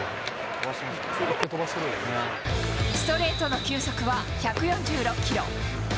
ストレートの球速は１４６キロ。